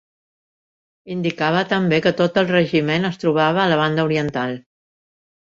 Indicava també que tot el regiment es trobava a la Banda Oriental.